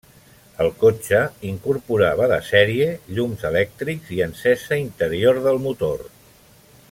El cotxe incorporava de sèrie llums elèctrics i encesa interior del motor.